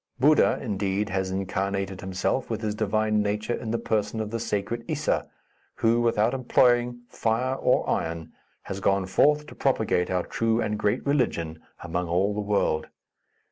Buddha, indeed, has incarnated himself, with his divine nature, in the person of the sacred Issa, who, without employing fire or iron, has gone forth to propagate our true and great religion among all the world.